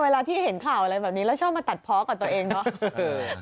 เวลาที่เห็นข่าวอะไรแบบนี้แล้วชอบมาตัดเพาะกับตัวเองเนาะ